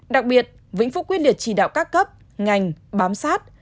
đặc biệt vĩnh phúc quyết liệt chỉ đạo các cấp ngành bám sát